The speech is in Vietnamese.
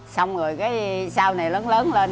xong rồi cái sau này lớn lớn lên